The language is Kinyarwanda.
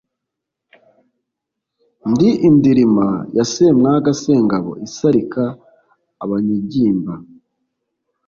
Ndi indirima ya Semwaga Sengabo isarika abanyigimba.